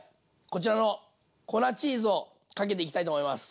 こちらの粉チーズをかけていきたいと思います。